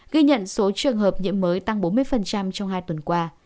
ghi nhận số trường hợp nhiễm mới tăng bốn mươi trong hai tuần qua